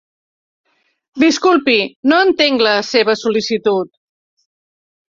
Disculpi, no entenc la seva sol·licitud.